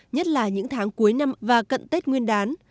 nhất là những tháng cuối năm và cận tết nguyên đán